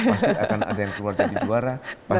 pasti akan ada yang keluar jadi juara